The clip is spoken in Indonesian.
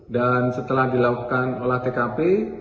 dan setelah dilakukan olah tkp